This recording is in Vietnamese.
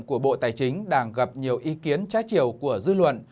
của bộ tài chính đang gặp nhiều ý kiến trái chiều của dư luận